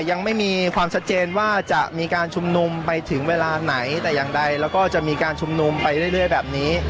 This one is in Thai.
ยังไม่มีความชัดเจนว่าจะมีการชุมนุมไปถึงเวลาไหนแต่อย่างใดแล้วก็จะมีการชุมนุมไปเรื่อยแบบนี้